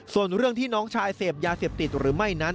ส่วนเรื่องที่น้องชายเสพยาเสพติดหรือไม่นั้น